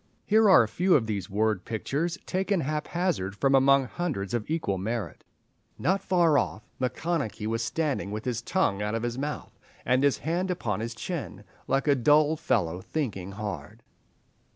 Here are a few of these word pictures, taken haphazard from among hundreds of equal merit— "Not far off Macconochie was standing with his tongue out of his mouth, and his hand upon his chin, like a dull fellow thinking hard.